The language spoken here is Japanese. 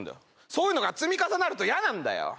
そういうのが積み重なると嫌なんだよ